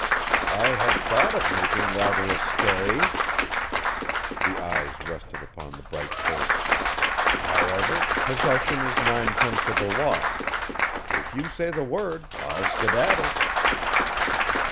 "I had thought of making rather a stay," the eyes rested upon the bright face, "however, possession is nine tenths of the law. If you say the word I'll skedaddle!"